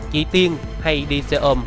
chị tiên hay đi xe ôm